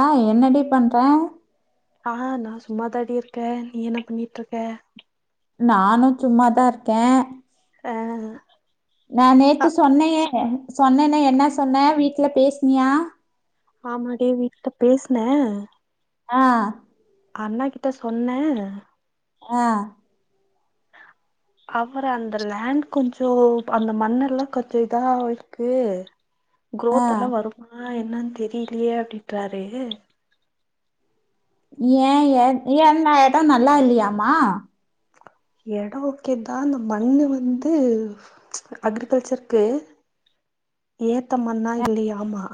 ஆஹ் என்னடி பண்ற ஆஹ் நா சும்மா தாடி இருக்க நீ என்ன பண்ணிட்டு இருக்க நானு சும்மாதார்க்கே ஆ நா ஆ நேத்து சொன்னேயே சொன்னேனே என்னா சொன்னா வீட்ல பேஸ்னியா ஆமாடி வீட்ல பேஸ்னே ஆ அண்ணா கிட்ட சொன்னே ஆஹ் அப்ற அந்த லேண்ட் கொஞ்சோ அந்த மண்ணெல்லா கொஞ்சோ இதாவுது ஆ குரோத் எல்லா வரும் ஆனா என்னான்னு தெரிலயே அப்டின்டாரு ஏய எய ஏ எட நல்லா இல்லையாமா எடோ ஓகே தா இந்த மண்ணு வந்து அக்ரிகல்ச்சர்க்கு ஏத்த மண்ணா இல்லியாமா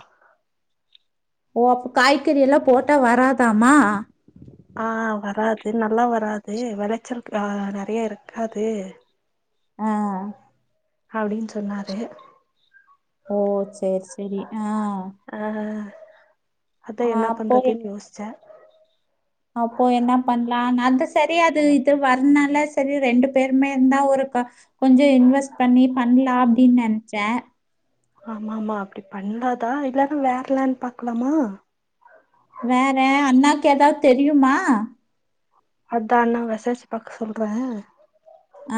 ஓ காய்கறி எல்லா போட்டா வராதாமா ஆஹ் வராது நல்லா வராது வெளச்சல் ஆஹ் நெறையா இருக்காது ஆஹ் அப்டின்னு சொன்னாரு ஓ சரி சரி ஆஹ் ஆஹ் அதா என்ன அப்போ பண்றதுன்னு யோசிச்ச அப்போ என்ன பண்லா அது சரி அது இது வர்னால சரி ரெண்டு பேருமே இருந்தா ஒரு கொஞ்சோ இன்வெஸ்ட் பண்ணி பண்லா அப்டின்னு நெனச்ச ஆமா ஆமா அப்டி பண்லாதா இல்லன்னா வேற லேண்ட் பாக்கலாமா வேற அண்ணாக்கு ஏதாவது தெரியுமா அதன்ன வெசாரிச்சு பாக்க சொல்ற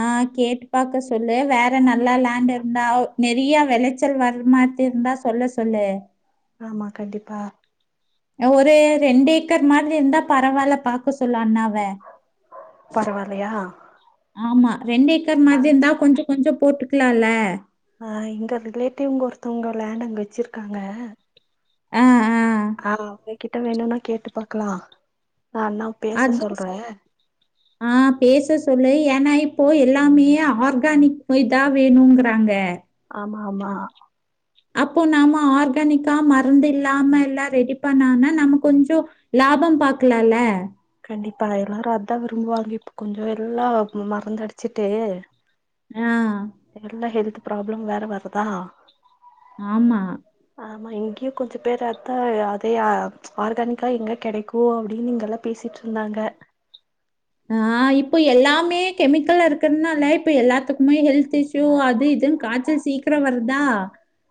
ஆஹ் கேட்டு பாக்க சொல்லு வேற நல்லா லேண்ட் இருந்தா நெறைய வெளச்சல் வர மாரி இருந்தா சொல்ல சொல்லு ஆமா கண்டிப்பா ஒரு ரெண்டு ஏக்கர் மாரி இருந்தா பரவால்ல பாக்க சொல்லு அண்ணாவ பரவால்லயா ஆமா ரெண்டு ஏக்கர் மாதிரி இருந்தா கொஞ்சோ கொஞ்சோ போட்டுக்கலாம்ல ஆஹ் எங்க ரிலேட்டிவ்ங்க ஒருத்தவங்க லேண்ட் அங்க வச்சிருக்காங்க ஆஹ் ஆஹ் ஆ [unintelligible] கிட்ட வேணும்னா கேட்டு பாக்கலா ஆ அண்ணா அது [unintelligible] ஆ பேச சொல்லு ஏன்னா இப்போ எல்லாமே ஆர்கானிக் பை தா வேணுங்கிறாங்க ஆமா ஆமா அப்போ நம்ம ஆர்கானிக்கா மருந்து இல்லாம எல்லா ரெடி பண்ணானா நம்ம கொஞ்சோ லாபம் பாக்கலால கண்டிப்பா எல்லரு அதா விரும்புவாங்க இப்போ கொஞ்ச எல்லா மருந்து அடிச்சுட்டு அ எல்லா ஹெல்த் ப்ராப்ளம் வேற வருதா ஆமா ஆமா இங்கியு கொஞ்ச பேர் அத்தா அதே ஆ ஆர்கானிக்கா எங்க கெடைக்கூ அப்டின் இங்க எல்லா பேசிட்ருந்தாங்க அ இப்ப எல்லாமே கெமிக்கல்லா இருக்குகறனால இப்ப எல்லாத்துக்குமே ஹெல்த் இஸ் யூ அது இதுன் காய்ச்சல் சீக்கர வர்தா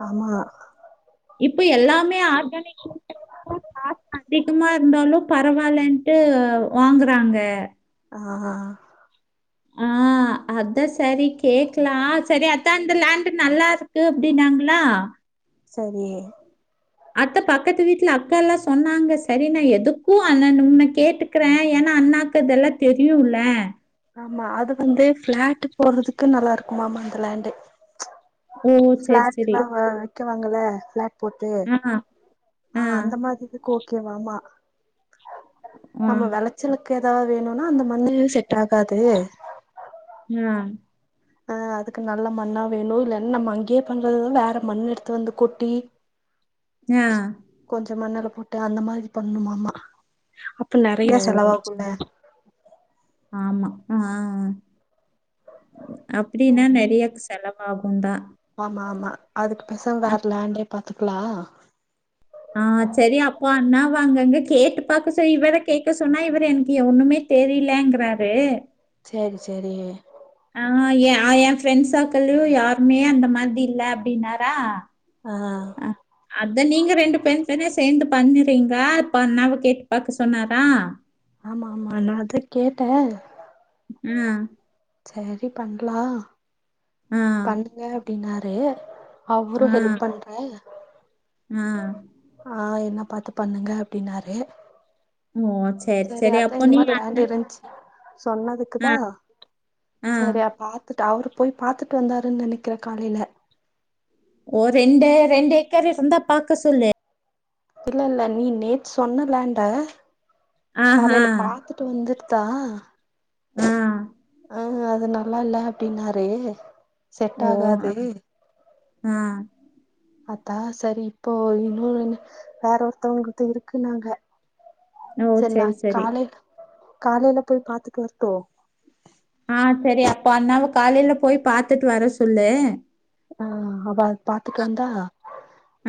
ஆமா இப்ப எல்லாமே ஆர்கானிக் காசு அதிகமாருந்தாலு பரவாலன்ட்டு வாங்கறாங்க ஆ [inaudible] அத்தா சரி கேக்கலா சரி அத்தா அந்த லேண்டு நல்லா இருக்கு அப்டினாங்களா சரி அத்தா பக்கத்து வீட்டுல அக்கா எல்லா சொன்னாங்க சரி நா எதுக்கும் அண்ணன் உன்ன கேட்டு க்கற ஏன்னா அண்ணாக்கு இதெல்லா தெரியுல்ல ஆமா அது வந்து ஃப்ளட் போடுறதுக்கு நல்லா இருக்குமாம அந்த லேண்டு ஓ! சரி, சரி. ஃப்ளாட்லா அங்க விக்கவாங்கல ஃப்ளாட் போட்டு ஆ, ஆ அந்த மாதிரிக்கு ஓகேவாமா ஆ, நம்ம வெளச்சலுக்கு எதா வேணுனா அந்த மண்ணு செட் ஆகாது ம் அ அதுக்கு நல்ல மண்ணா வேணு இல்ல நம்ம அங்கே பண்றது வேற மண்ணு எடுத்து வந்து கொட்டி [inaudible] அ கொஞ்ச மண் அல்ல போட்டு அந்த மாரி பண்ணுமாமா அப்ப நறைய ஓ! செலவாகுல்ல ஆமா அ அப்டீன்னா ம் நறைய செல ஆகுந்தா ஆமா ஆமா அதுக்கு பேசாம வேற லேண்டே பாத்துக்லா ஆ சரி அப்போ அண்ணாவ அங்கங்க கேட்டு பாக்க சொய் இவர கேக்க சொன்னா இவரு எனக்கு ஒண்ணுமே தெரிலங்கறாரு சேரி சேரி ஆ ய யென் ஃப்ரெண்ட்ஸ் சர்க்கள்லயு யாருமே அந்த மாதிரி இல்ல அப்டின்னாரா ஆ அதா நீங்க ரெண்டு பேந் செரு சேந்து பண்ணுறீங்களா அப்ப அண்ணாவ கேட்டு பாக்க சொன்னாரா ஆமா ஆமா நா அத கேட்ட ம் சரி பண்ட்லா ஆ, பண்ணுங்க அப்டின்னாரு ஆ, அவ்ரு ஹெல்ப் பண்ற ஆ ஆ என்ன பாத்து பண்ணுங்க அப்டின்னாரு ஓ! சரி, சேரி சரி. அதா அப்போ இந்த நீ மாரி அண்ண லேண்ட் இருந்ச் ஆ, சொன்னதுக்குதா ஆ. சரியா பாத்து டா அவுரு போய் பாத்துட்டு வந்தாருன் நனைக்கற காலைல ஓ ரெண்டு ரெண்டு ஏக்கர் இருந்தா பாக்க சொல்லு இல்ல இல்ல நீ நேத் சொன்ன லேண்ட ஆஹா! காலைல பாத்துட் ட்டு வந்துர்தா ஆ ஆ அது நல்லா இல்ல அப்டினாரு செட் ஓ! ஆ, ஆகாது ஆ பாத்தா சரி இப்போ இன்னு ஒன்னு வேற ஒருத்தவங்க கிட்ட இருக்கு நாங்க சரி நா காலை காலைல போய் பாத்துட்டு வர்ட்டு ஆ சரி அப்போ அண்ணாவ காலைல போய் பாத்துட்டு வர சொல்லு ஆ அவ பாத்துட்டு வந்தா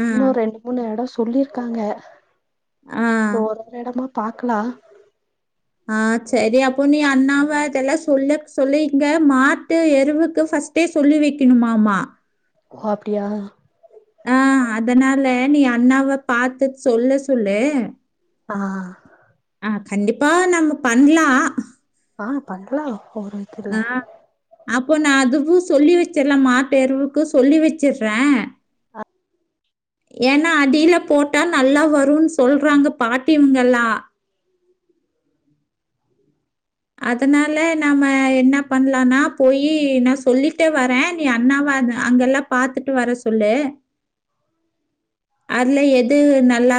ஆ, இன்னு ரெண்டு மூணு எடொ சொல்லிர்க்காங்க ஆ, சரி ஒரு ஒரு இடமா பாக்கலா ஆ சரி அப்போ நீ அண்ணாவ இதெல்லா சொல்லு சொல்லிர்ந்த மாட்டு எருவுக்கு ஃபஸ்ட் டு சொல்லி வெக்கனுமாமா ஓ அப்டியா ஆ அதனால நீ அண்ணாவ பாத்துட்டு சொல்ல சொல்லு அ அ கண்டிப்பா நம்ம பண்லா ஆ பண்ட்லா வேற ஆ அப்போ நா அதுவு சொல்லி வச்சிர்ற மாட்தெருரவுக்கு சொல்லி வச்சுர்ற அ ஏன்னா அடில போட்டா நல்லா வரும்ன்னு சொல்றாங்க பாட்டிங்கல்லா அதனால நம்ம என்ன பண்லனா போய் நா சொல்லிட்டே வரே நீ அண்ணாவ அங்கெல்லா பாத்துட்டு வர சொல்லு அதுல எதுவு நல்லா